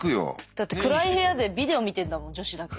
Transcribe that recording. だって暗い部屋でビデオ見てんだもん女子だけ。